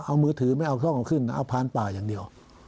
เอามือถือไม่เอาช่องเอาขึ้นเอาพานป่าอย่างเดียว